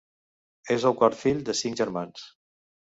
És el quart fill de cinc germans.